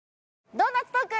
「ドーナツトーク」